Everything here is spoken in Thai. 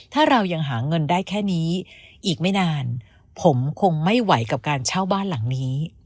ถ้าเรายังหาเงินได้แค่นี้อีกไม่นานผมคงไม่ไหวกับการเช่าบ้านหลังนี้